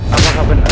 apa yang benar